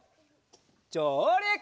じょうりく！